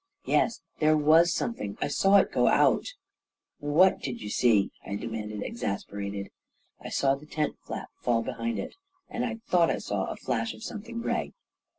" Yes, there was something — I saw it go out." i 7 2 A KING IN BABYLON " What did you see ?" I demanded, exasperated. " I saw the tent flap fall behind it — and I thought I saw a flash of something gray."